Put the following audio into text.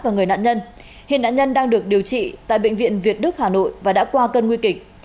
và người nạn nhân hiện nạn nhân đang được điều trị tại bệnh viện việt đức hà nội và đã qua cơn nguy kịch